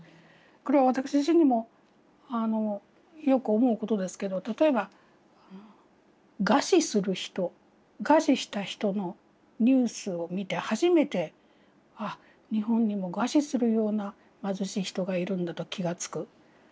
これは私自身にもよく思うことですけど例えば餓死する人餓死した人のニュースを見て初めてあ日本にも餓死するような貧しい人がいるんだと気が付く。